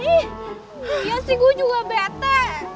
iya sih gue juga bete